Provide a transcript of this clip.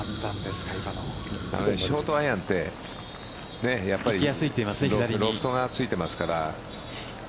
ショートアイアンってロフトがついていますから。